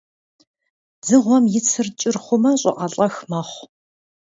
Дзыгъуэм и цыр кӀыр хъумэ, щӀыӀэлӀэх мэхъу.